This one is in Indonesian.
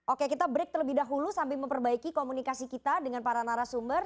oke kita break terlebih dahulu sambil memperbaiki komunikasi kita dengan para narasumber